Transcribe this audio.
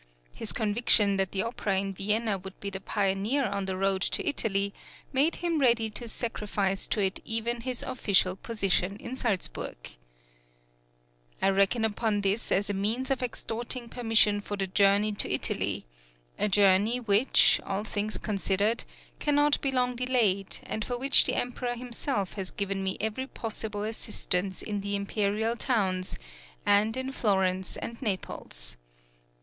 His conviction that the opera in Vienna would be the pioneer on the road to Italy made him ready to sacrifice to it even his official position in Salzburg: I reckon upon this as a means of extorting permission for the journey to Italy, a journey which, all things considered, cannot be long delayed, and for which the Emperor himself has given me every possible assistance in the imperial towns, and in Florence and Naples.